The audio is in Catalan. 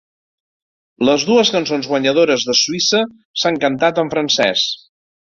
Les dues cançons guanyadores de Suïssa s"han cantant en francès.